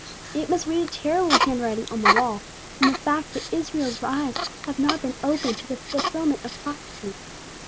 It must read a terrible handwriting on the wall in the fact that Israel's eyes have not been opened to the fulfillment of prophecy.